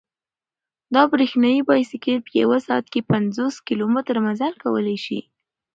دا برېښنايي بایسکل په یوه ساعت کې پنځوس کیلومتره مزل کولای شي.